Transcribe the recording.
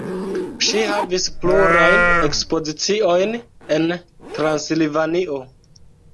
Ŝi havis plurajn ekspoziciojn en Transilvanio.